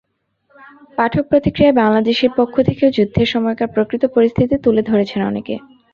পাঠক প্রতিক্রিয়ায় বাংলাদেশের পক্ষ থেকেও যুদ্ধের সময়কার প্রকৃত পরিস্থিতি তুলে ধরেছেন অনেকে।